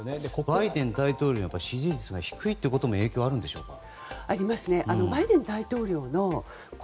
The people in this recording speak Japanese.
バイデン大統領の支持率が低いことも影響はあるんでしょうか。